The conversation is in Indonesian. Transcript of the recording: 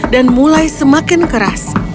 dan mulai semakin keras